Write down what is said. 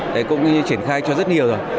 đấy cũng như triển khai cho rất nhiều rồi